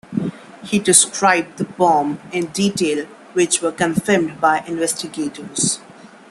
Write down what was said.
He described the bomb in detail, which were confirmed by investigators.